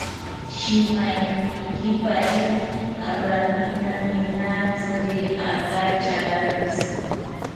Shimaempikipaeni raminaminatziri akacharontzi